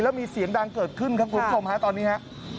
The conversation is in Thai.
แล้วมีเสียงดังเกิดขึ้นครับคุณผู้ชมฮะตอนนี้ฮะ